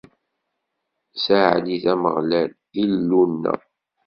Ssaɛlit Ameɣlal, Illu-nneɣ!